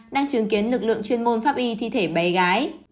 đang chứng kiến lực lượng chuyên môn pháp y thi thể bé gái